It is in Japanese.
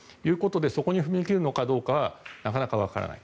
そこに踏み切るのかどうかはなかなかわからない。